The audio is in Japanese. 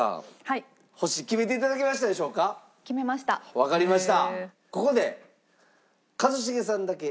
わかりました。